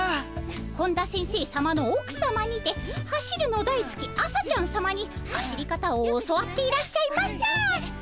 本田先生さまの奥さまにて走るのだいすき朝ちゃんさまに走り方を教わっていらっしゃいました。